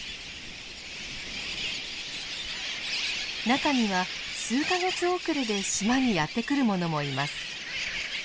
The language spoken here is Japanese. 中には数か月遅れで島にやって来るものもいます。